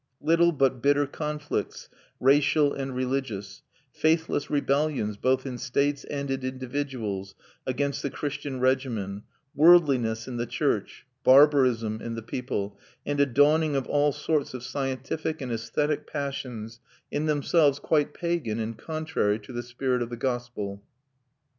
Little but bitter conflicts, racial and religious; faithless rebellions, both in states and in individuals, against the Christian regimen; worldliness in the church, barbarism in the people, and a dawning of all sorts of scientific and æsthetic passions, in themselves quite pagan and contrary to the spirit of the gospel.